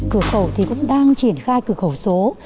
cửa khẩu thì cũng đang triển khai cửa khẩu số